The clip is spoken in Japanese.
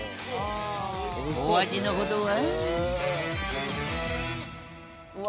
お味のほどは？